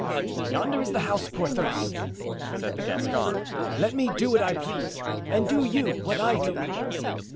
"Yonder is the house, Porthos," said the Gascon; "let me do what I please and do you what I do."